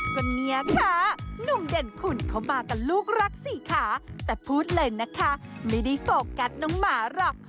ก็เนี่ยค่ะหนุ่มเด่นคุณเขามากับลูกรักสี่ขาแต่พูดเลยนะคะไม่ได้โฟกัสน้องหมาหรอก